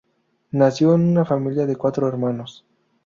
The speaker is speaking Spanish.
Nació en una familia de cuatro hermanos.